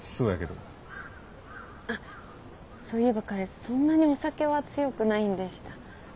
あっそういえば彼そんなにお酒は強くないんでした。